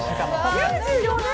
９４年！